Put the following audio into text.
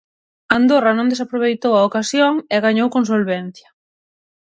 Andorra non desaproveitou a ocasión e gañou con solvencia.